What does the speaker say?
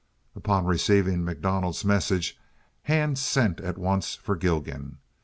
Upon receiving MacDonald's message Hand sent at once for Gilgan.